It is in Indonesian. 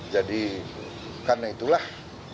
jadi karena itulah